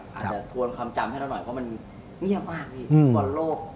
อาจจะทวนความจำให้เราหน่อยเพราะมันเงียบมาก